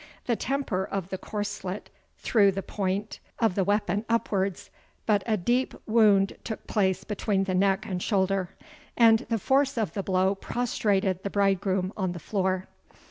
The temper of the corslet threw the point of the weapon upwards, but a deep wound took place between the neck and shoulder; and the force of the blow prostrated the bridegroom on the floor.